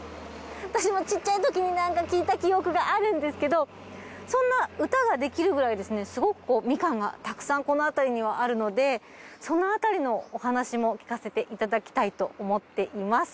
私もちっちゃいときになんか聞いた記憶があるんですけどそんな歌ができるくらいですねすごくみかんがたくさんこの辺りにはあるのでその辺りのお話しも聞かせていただきたいと思っています。